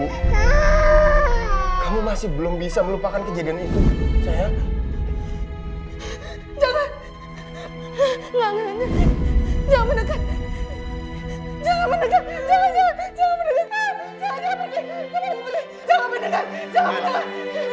rumah ibu kamu masih belum bisa melupakan kejadian itu saya jangan jangan jangan jangan